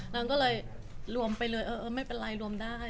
นางก็เลยรวมไปเลยเออไม่เป็นไรรวมได้